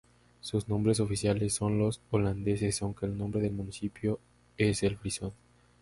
Sus nombres oficiales son los holandeses, aunque el nombre del municipio es el frisón.